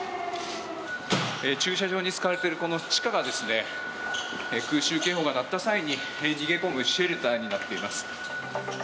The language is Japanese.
駐車場に使われているこの地下が空襲警報が鳴った際に逃げ込むシェルターになっています。